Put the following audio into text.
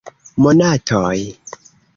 Monatoj!